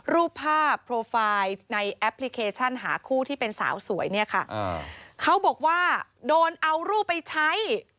รูปภาพโปรไฟล์ในแอปพลิเคชันหาคู่ที่เป็นสาวสวยเนี่ยค่ะอ่าเขาบอกว่าโดนเอารูปไปใช้